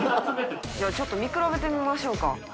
ちょっと見比べてみましょうか。